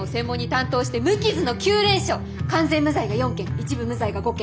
完全無罪が４件一部無罪が５件。